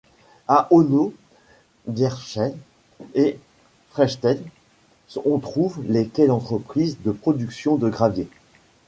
À Honau, Diersheim et Freistett on trouve des quais d'entreprises de production de gravier.